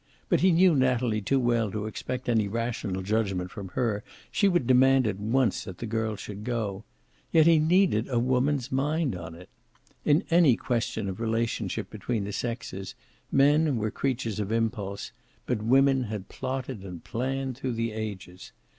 But he knew Natalie too well to expect any rational judgment from her. She would demand at once that the girl should go. Yet he needed a woman's mind on it. In any question of relationship between the sexes men were creatures of impulse, but women had plotted and planned through the ages.